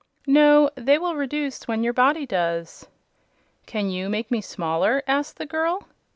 "No; they will reduce when your body does." "Can YOU make me smaller?" asked the girl.